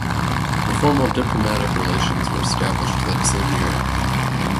The formal diplomatic relations were established that same year.